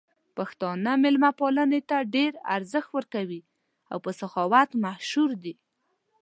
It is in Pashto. پښتانه مېلمه پالنې ته ډېر ارزښت ورکوي او په سخاوت مشهور دي.